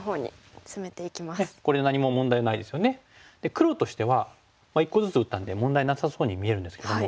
黒としては１個ずつ打ったんで問題なさそうに見えるんですけども。